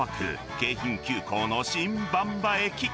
京浜急行の新馬場駅。